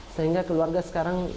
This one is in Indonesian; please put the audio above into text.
sehingga keluarga sekarang